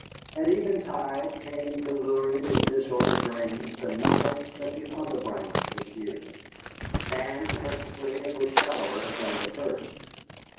At eventide came to lurid and disordered brains the knowledge that the other branch was here. And, mercifully, it was shallower than the first.